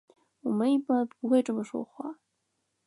我们一般不会这么说话。